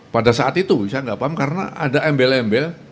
pada saat itu saya nggak paham karena ada embel embel